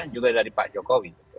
juga dari pak joko wih